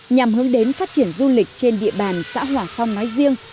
nhằm hướng đến phát triển du lịch trên địa bàn xã hòa phong nói riêng